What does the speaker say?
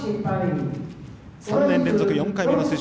３年連続４回目の出場